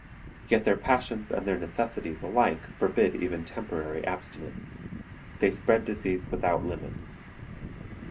Yet their passions and their necessities alike forbid even temporary abstinence. They spread disease without limit.